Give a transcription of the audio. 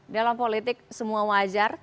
dalam politik semua wajar